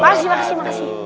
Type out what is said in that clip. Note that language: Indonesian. makasih makasih makasih